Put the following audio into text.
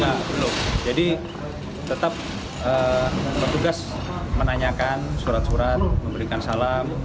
nah belum jadi tetap petugas menanyakan surat surat memberikan salam